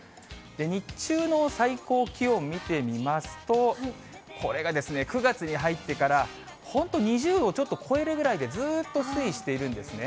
日中の最高気温見てみますと、これが９月に入ってから本当、２０度をちょっと超えるぐらいでずっと推移しているんですね。